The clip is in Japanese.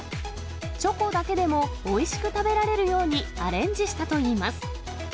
チョコだけでもおいしく食べられるようにアレンジしたといいます。